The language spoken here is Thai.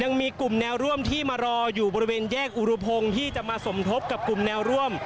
ยังมีกลุ่มแนวร่วมที่มารออยู่บริเวณแยกอุรุพงศ์ที่จะมาสมทบกับกลุ่มแนวร่วม